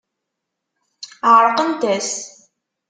Ɛeṛqent-as.